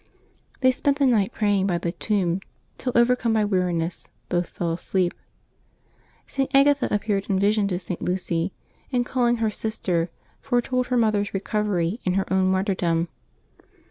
^' They spent the night praying by the tomb, till, overcome by weariness, both fell asleep. St. Agatha ap peared in vision to St. Lucy, and calling her sister, fore told her mother^s recovery and her own martyrdom.